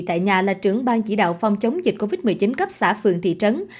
tại nhà là trưởng bang chỉ đạo phòng chống dịch covid một mươi chín cấp xã phường thị trấn